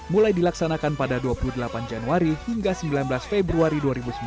mulai dilaksanakan pada dua puluh delapan januari hingga sembilan belas februari dua ribu sembilan belas